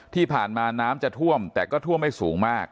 ที่ผ่านมาน้ำจะท่วมแต่ก็ท่วมไม่สูงมาก